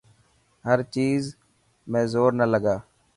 هر چيز ۾ زور نا لگا.